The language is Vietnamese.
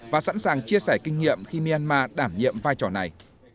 và sẵn sàng chia sẻ kinh nghiệm khi myanmar đảm nhiệm vai trò này